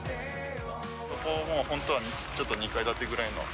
そこも本当はちょっと２階建てぐらいの。